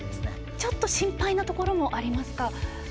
ちょっと心配なところもありますか。